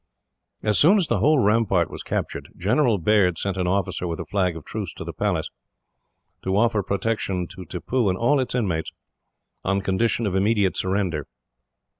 As soon as the whole rampart was captured, General Baird sent an officer with a flag of truce to the Palace, to offer protection to Tippoo and all its inmates, on condition of immediate surrender.